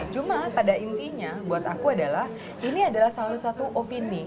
cuma pada intinya buat aku adalah ini adalah salah satu opini